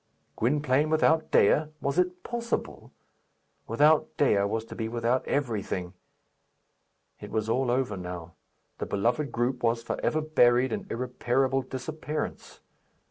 Gwynplaine without Dea! Was it possible? Without Dea was to be without everything. It was all over now. The beloved group was for ever buried in irreparable disappearance.